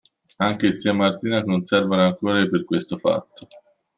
Anche zia Martina conservava rancore per questo fatto.